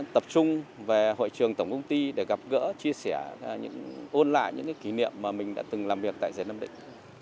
tập trung về hội trường tổng công ty để gặp gỡ chia sẻ ôn lại những kỷ niệm mà mình đã từng làm việc tại rể nam định